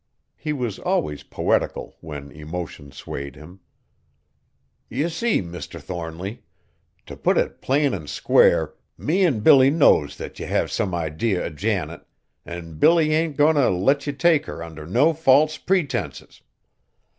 He was always poetical when emotion swayed him. "Ye see, Mr. Thornly, t' put it plain an' square, me an' Billy knows that ye have some idee o' Janet, an' Billy ain't goin' t' let ye take her under no false pretences.